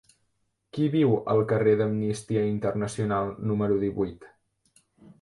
Qui viu al carrer d'Amnistia Internacional número divuit?